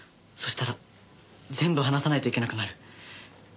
そしたら全部話さないといけなくなる。